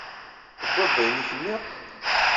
Tewwiḍ-d ayen i k-nniɣ?